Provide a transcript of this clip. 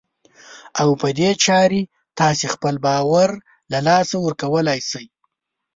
او په دې چارې تاسې خپل باور له لاسه ورکولای شئ.